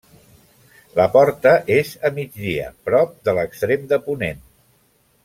La porta és a migdia, prop de l'extrem de ponent.